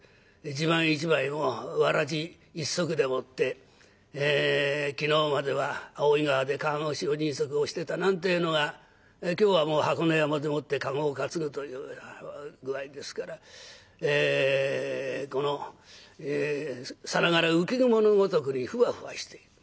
一晩一晩もうわらじ一足でもって昨日までは大井川で川越人足をしてたなんてのが今日はもう箱根山でもって駕籠を担ぐという具合ですからこのさながら浮き雲のごとくにふわふわしている。